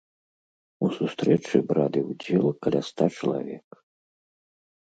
У сустрэчы бралі ўдзел каля ста чалавек.